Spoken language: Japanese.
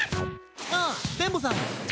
あ電ボさん。